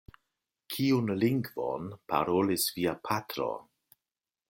Kiun lingvon parolis via patro?